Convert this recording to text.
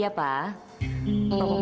bapak bisa mengerti